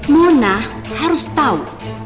mona harus tahu